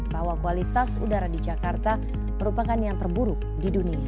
bahwa kualitas udara di jakarta merupakan yang terburuk di dunia